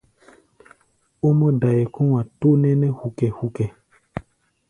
Ó mɔ́-dai kɔ̧́-a̧ tó nɛ́nɛ́ hukɛ-hukɛ.